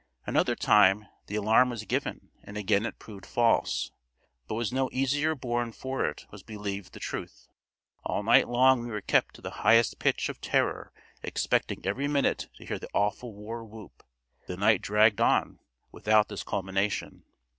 Another time the alarm was given and again it proved false, but was no easier borne for it was believed the truth. All night long we were kept to the highest pitch of terror expecting every minute to hear the awful war whoop. The night dragged on without this culmination.